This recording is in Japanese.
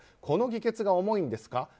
この議決が重いんですか。